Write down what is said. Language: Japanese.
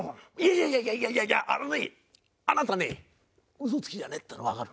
いやいやいやいやあのねあなたね嘘つきじゃねえっていうのはわかる。